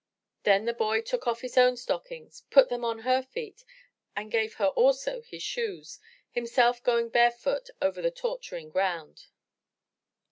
Then the boy took off his own 372 THE TREASURE CHEST stockings, put them on her feet, and gave her also his shoes, himself going barefoot over the torturing ground.